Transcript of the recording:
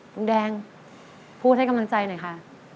ลุงแดงพูดให้กำลังใจหน่อยค่ะ